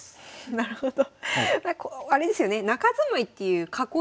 なるほど。